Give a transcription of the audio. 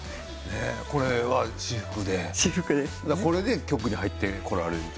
これが私服でこれで局に入って来られると。